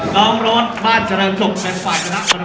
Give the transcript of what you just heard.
ร้องร้นบ้านเฉลิมจบเป็นฝ่ายจุดทั้งหมดแล้วนะครับ